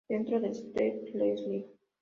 Dentro de Stephen, Leslie.